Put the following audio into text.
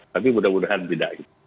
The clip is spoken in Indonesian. tapi mudah mudahan tidak